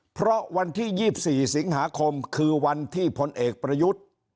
เพราะวันที่๒๔สิงหาคมคือวันที่พลเอกประยุทธ์